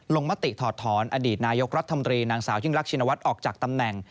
มติถอดถอนอดีตนายกรัฐมนตรีนางสาวยิ่งรักชินวัฒน์ออกจากตำแหน่ง